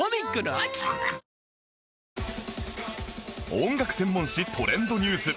音楽専門誌トレンドニュース